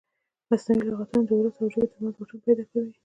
مصنوعي لغتونه د ولس او ژبې ترمنځ واټن پیدا کوي.